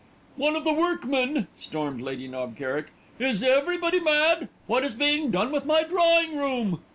"One of the workmen!" stormed Lady Knob Kerrick. "Is everybody mad? What is being done with my drawing room?"